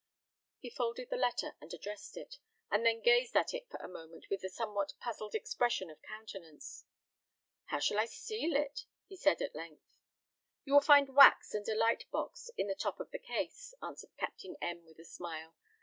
He folded the letter, and addressed it, and then gazed at it for a moment with a somewhat puzzled expression of countenance. "How shall I seal it?" he said at length. "You will find wax and a light box in the top of the case," answered Captain M , with a smile.